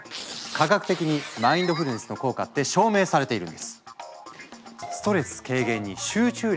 科学的にマインドフルネスの効果って証明されているんです！などなど！